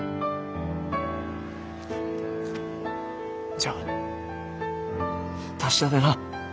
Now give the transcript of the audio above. じゃ達者でな。